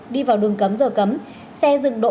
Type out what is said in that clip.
đi vào đường cấm giờ cấm xe dừng đỗ